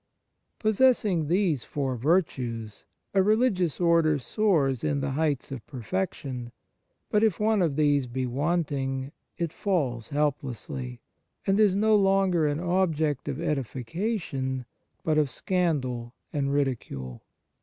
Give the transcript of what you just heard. Possessing these four virtues, a religious Order soars in the heights of perfection ; but if one of these be wanting it falls helplessly, and is no longer an object of edification, but of scandal and ridicule.